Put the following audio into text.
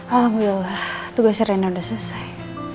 alhamdulillah tugasnya rina udah selesai